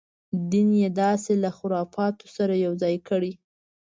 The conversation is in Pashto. دین یې داسې له خرافاتو سره یو ځای کړی.